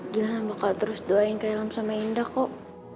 jilang bakal terus doain kak ilham sama indah kok